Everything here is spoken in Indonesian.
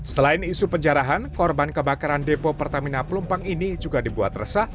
selain isu penjarahan korban kebakaran depo pertamina pelumpang ini juga dibuat resah